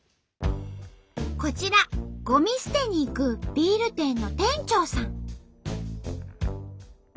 こちらゴミ捨てに行くビール店の店長さん。